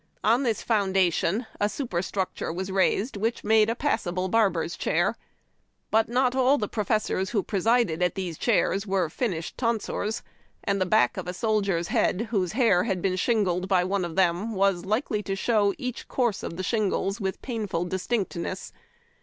On this foundation a super structure was raised which made a passable barber's chair. But not all the professors who presided at these chairs were finished tonsors, and the back of a soldier's head whose hair had been " shingled " by one of them was likely to show each course of the shingles with painful distinctness.